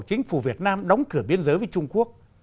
chính phủ việt nam đóng cửa biên giới với trung quốc